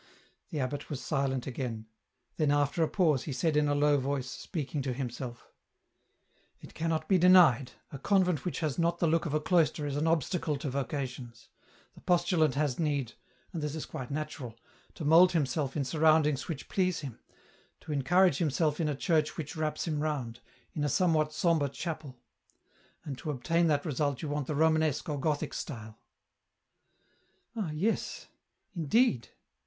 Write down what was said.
The abbot was silent again, then after a pause he said in a low voice, speaking to himself, *' It cannot be denied, a convent which has not the look of a cloister is an obstacle to vocations ; the postulant has need — and this is quite natural — to mould himself in surroundings which please him, to encourage himself in a church which wraps him round, in a somewhat sombre chapel ; and to obtain that result you want the Romanesque or Gothic style." " Ah, yes, indeed.